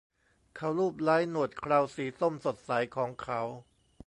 เขาลูบไล้หนวดเคราสีส้มสดใสของเขา